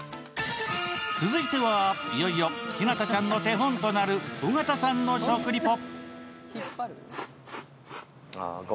続いてはいよいよ日向ちゃんの手本となる尾形さんの食リポ。